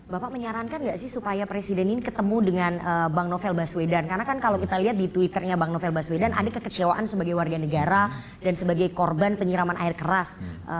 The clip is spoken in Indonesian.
bapak menyarankan nggak sih supaya presiden ini ketemu dengan bang novel baswedan karena kan kalau kita lihat di twitternya bang novel baswedan ada kekecewaan sebagai warga negara dan sebagai korban penyiraman air keras